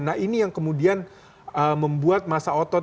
nah ini yang kemudian membuat masa otot